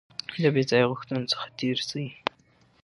د بې ځایه غوښتنو څخه تېر شئ.